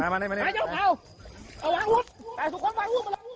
มาเลยดีมาเลย